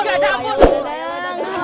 gak ada ampun